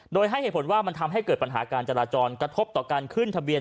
โดยให้เหตุผลว่ามันทำให้เกิดปัญหาการจราจรกระทบต่อการขึ้นทะเบียน